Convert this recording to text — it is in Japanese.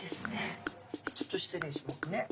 ちょっと失礼しますね。